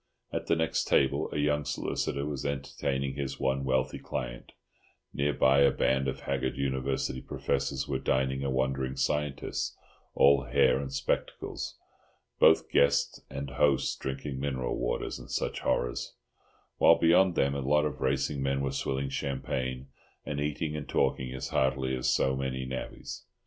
At the next table a young solicitor was entertaining his one wealthy client; near by a band of haggard University professors were dining a wandering scientist, all hair and spectacles—both guest and hosts drinking mineral waters and such horrors; while beyond them a lot of racing men were swilling champagne and eating and talking as heartily as so many navvies.